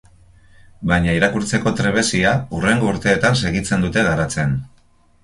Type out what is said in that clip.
Baina irakurtzeko trebezia hurrengo urteetan segitzen dute garatzen.